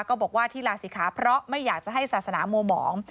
ก็บอกว่าที่ลาศิขาเพราะไม่อยากจะให้ศาสนามัวหมอง